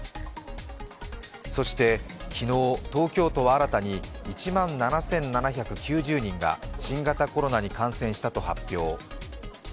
そして昨日、東京都は新たに１万７７９０人が新型コロナに感染したと発表。